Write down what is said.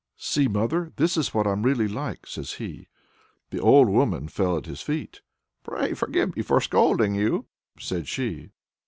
"See, mother, this is what I'm really like!" says he. The old woman fell at his feet. "Pray forgive me for scolding you," said she.